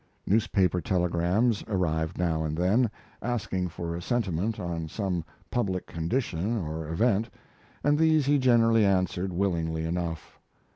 Newspaper telegrams arrived now and then, asking for a sentiment on some public condition or event, and these he generally answered willingly enough.